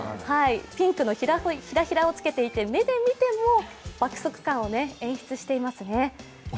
ピンクのひらひらをつけていて目で見ても爆速感を演出していますね。